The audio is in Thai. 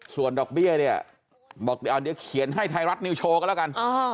ส่วนดอกเบี้ยเนี่ยบอกเดี๋ยวเขียนให้ไทยรัฐนิวโชว์ก็แล้วกัน